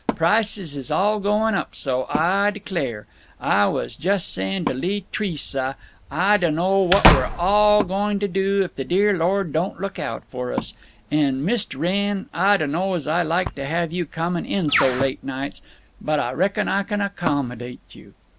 Prices is all going up so, Ah declare, Ah was just saying to Lee T'resa Ah dunno what we're all going to do if the dear Lord don't look out for us. And, Mist' Wrenn, Ah dunno's Ah like to have you coming in so late nights. But Ah reckon Ah can accommodate you."